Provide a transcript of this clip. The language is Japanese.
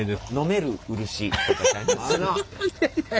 ハハハハ！